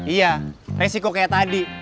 iya resiko kayak tadi